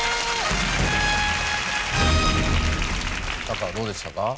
タカはどうでしたか？